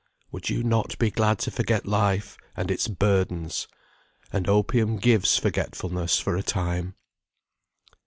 Would you not be glad to forget life, and its burdens? And opium gives forgetfulness for a time.